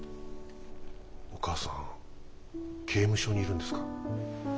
お母さん刑務所にいるんですか。